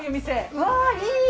うわいい！